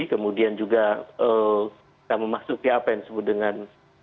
kemudian juga kita memasuki apa yang disebut dengan tujuh puluh lima